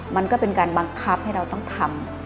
มันก็เป็นการบังคับให้เราต้องทำ